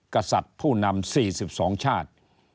กษัตริย์ผู้นำ๔๒ชาติ